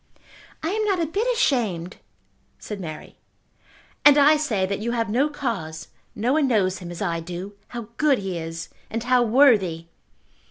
"I am not a bit ashamed," said Mary. "And I say that you have no cause. No one knows him as I do. How good he is, and how worthy!"